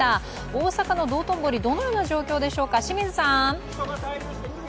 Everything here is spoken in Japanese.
大阪の道頓堀、どのような状況でしょうか、清水さん。